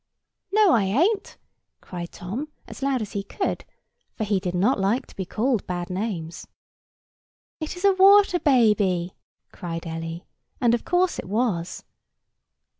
"No, I ain't!" cried Tom, as loud as he could; for he did not like to be called bad names. "It is a water baby!" cried Ellie; and of course it was.